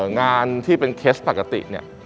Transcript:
งานที่เป็นเคสปกติ